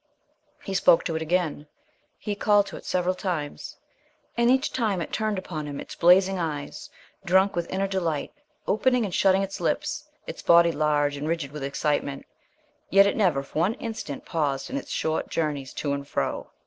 He spoke to it again. He called to it several times, and each time it turned upon him its blazing eyes, drunk with inner delight, opening and shutting its lips, its body large and rigid with excitement. Yet it never for one instant paused in its short journeys to and fro.